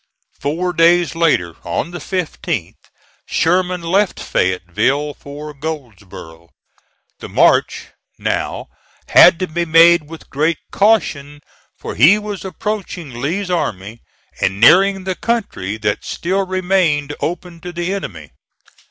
Four days later, on the 15th, Sherman left Fayetteville for Goldsboro. The march, now, had to be made with great caution, for he was approaching Lee's army and nearing the country that still remained open to the enemy.